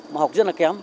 mà học rất là kỹ